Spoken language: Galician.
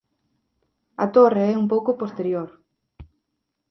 A torre é un pouco posterior.